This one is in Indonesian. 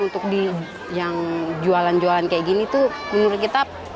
untuk yang jualan jualan kayak gini tuh menurut kita